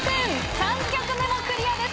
３曲目もクリアです